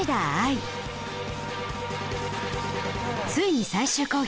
ついに最終講義